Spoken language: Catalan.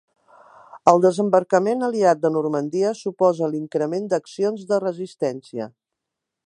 El desembarcament aliat de Normandia suposa l’increment d’accions de resistència.